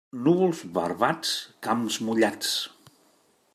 Núvols barbats, camps mullats.